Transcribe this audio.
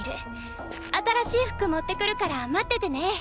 新しい服持ってくるから待っててね。